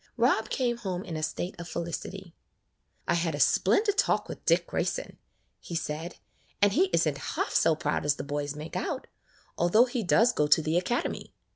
Rob came home in a state of felicity. "I had a splendid talk with Dick Grayson," he said, "and he is n't half so proud as the boys make out, although he does go to the Acad emy.